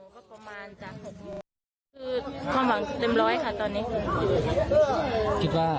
ความหวังเต็มร้อยค่ะตอนนี้